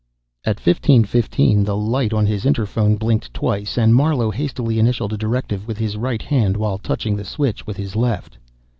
At fifteen fifteen, the light on his interphone blinked twice, and Marlowe hastily initialed a directive with his right hand while touching the switch with his left.